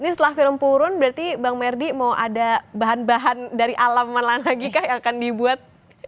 ini setelah film turun berarti bang merdi mau ada bahan bahan dari alaman lain lagi kah yang akan dibuat